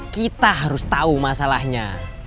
kita harus tahu masalahnya